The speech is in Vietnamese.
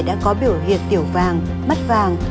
đã có biểu hiện tiểu vàng mắt vàng